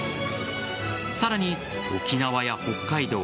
さらに沖縄や北海道